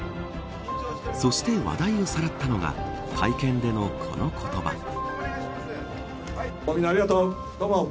そして、話題をさらったのが会見でのこの言葉。